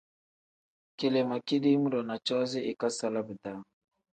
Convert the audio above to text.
Kele ma kidiim-ro na coozi ikasala bidaa.